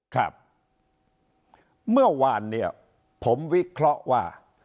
ครับเมื่อวานเนี่ยผมวิเคราะห์ว่า